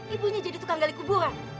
ibunya jadi tukang gali kuburan